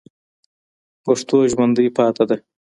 پښتو ژوندۍ پاتې ده.